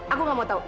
aku nggak mau tahu